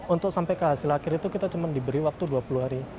untuk sampai ke hasil akhir itu kita cuma diberi waktu dua puluh hari